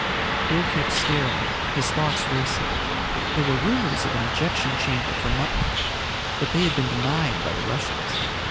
Bill kept staring, his thoughts racing. There were rumors of an ejection chamber for Muttnik. But they had been denied by the Russians.